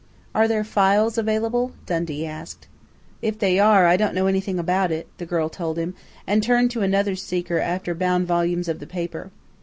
"Are their files available?" Dundee asked. "If they are, I don't know anything about it," the girl told him, and turned to another seeker after bound volumes of the paper.